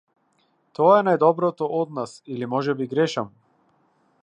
Тоа е најдоброто од нас или можеби грешам.